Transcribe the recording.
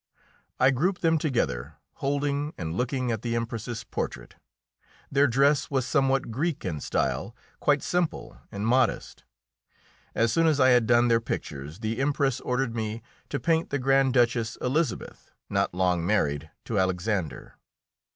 I grouped them together, holding and looking at the Empress's portrait; their dress was somewhat Greek in style, quite simple and modest. As soon as I had done their pictures the Empress ordered me to paint the Grand Duchess Elisabeth, not long married to Alexander.